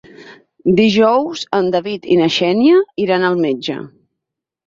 Dijous en David i na Xènia iran al metge.